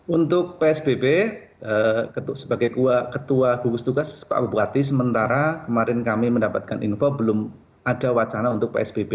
untuk psbb sebagai ketua gugus tugas pak bupati sementara kemarin kami mendapatkan info belum ada wacana untuk psbb